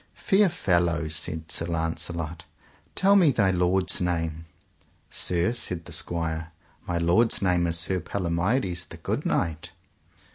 Fair fellow, said Sir Launcelot, tell me thy lord's name. Sir, said the squire, my lord's name is Sir Palomides, the good knight.